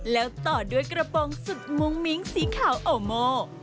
แล้วต่อด้วยกระโปรงสุดมุ้งมิ้งสีขาวโอโม